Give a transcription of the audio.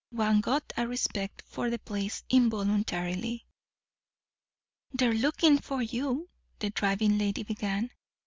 One got a respect for the place involuntarily. "They're lookin' for you," the driving lady began.